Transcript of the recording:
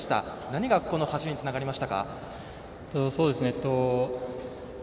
何がここの走りにつながりましたか？